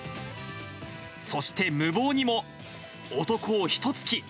そして無謀にも男を一突き。